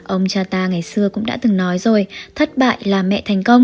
ông cha ta ngày xưa cũng đã từng nói rồi thất bại là mẹ thành công